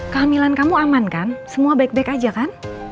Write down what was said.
kehamilan kamu aman kan semua baik baik aja kan